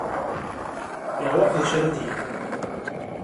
Yeɛweq d acu ara d-yini.